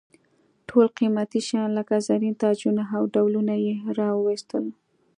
ټول قیمتي شیان لکه زرین تاجونه او ډالونه یې را واېستل.